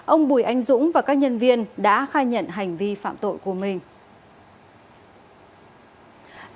ông bùi anh dũng và các nhân viên đã khai nhận hành vi phạm tội của mình